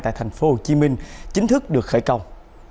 tại thành phố hồ chí minh chính thức được khởi công